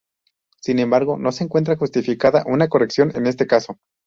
Sin embargo, no se encuentra justificada una corrección en este caso.